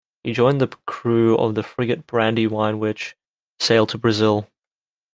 He joined the crew of the frigate Brandywine which sailed to Brazil.